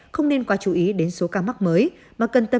không nên quá chú ý đến số ca mắc mới